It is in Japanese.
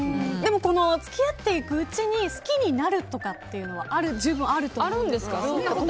付き合っていくうちに好きになるとかっていうのは十分あると思うんですけど。